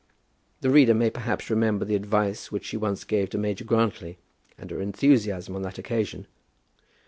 The reader may perhaps remember the advice which she once gave to Major Grantly, and her enthusiasm on that occasion.